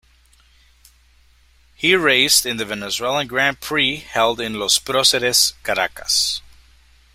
He raced in the Venezuelan Grand Prix held in Los Proceres, Caracas.